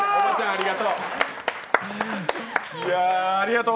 ありがとう。